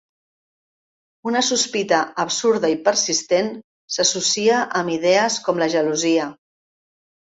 Una sospita absurda i persistent, s'associa amb idees com la gelosia.